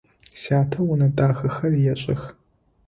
Сятэ унэ дахэхэр ешӏых.